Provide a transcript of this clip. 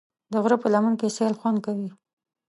د غره په لمن کې سیل خوند کوي.